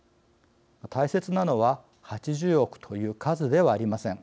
大切なのは８０億という数ではありません。